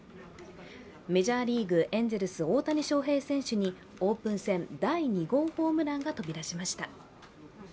メジャーリーグ・エンゼルス、大谷翔平選手にオープン戦第２号ホームランが飛び出しました。